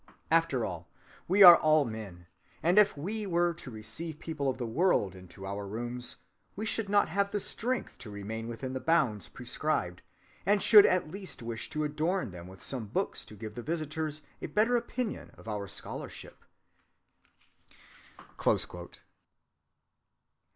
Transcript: After all, we are all men, and if we were to receive people of the world into our rooms, we should not have the strength to remain within the bounds prescribed, but should at least wish to adorn them with some books to give the visitors a better opinion of our scholarship."